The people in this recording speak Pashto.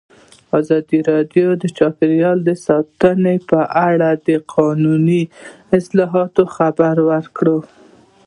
ازادي راډیو د چاپیریال ساتنه په اړه د قانوني اصلاحاتو خبر ورکړی.